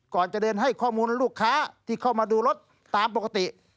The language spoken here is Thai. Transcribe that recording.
ก่อนจะเดินให้ข้อมูลลูกค้าที่เข้ามาดูรถตามปกติ